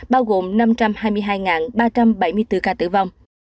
bao gồm năm trăm hai mươi hai ba trăm bảy mươi bốn ca tử vong